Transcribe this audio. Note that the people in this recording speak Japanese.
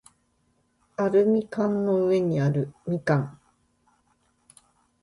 アルミ缶の上にあるみかん